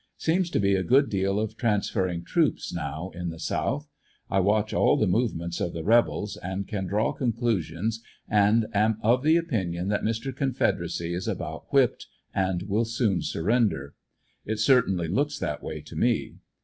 Seems to be a good deal of transferring troops now in the South I watch all the movements of the rebels and can draw conclusions, and am of the opinion that Mr. Confederacy is about whipped and will soon surrender. It certainly looks that way to me.